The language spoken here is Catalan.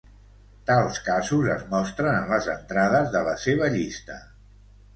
Tals casos es mostren en les entrades de la seva llista.